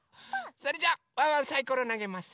それじゃあワンワンサイコロなげます。